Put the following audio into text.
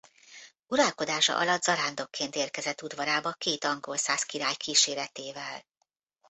Uralkodása alatt zarándokként érkezett udvarába két angol-szász király kíséretével.